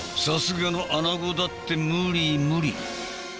さすがのアナゴだってムリムリ。